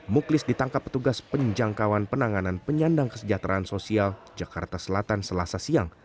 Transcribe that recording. muklis ditangkap petugas penjangkauan penanganan penyandang kesejahteraan sosial jakarta selatan selasa siang